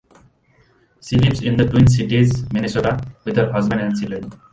She lives in the Twin Cities, Minnesota, with her husband and children.